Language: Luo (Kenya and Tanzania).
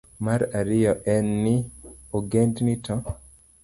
Mar ariyo en ni, ogendini to